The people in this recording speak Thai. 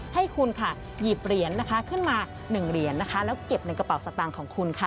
ให้คุณค่ะหยิบเหรียญนะคะขึ้นมา๑เหรียญนะคะแล้วเก็บในกระเป๋าสตางค์ของคุณค่ะ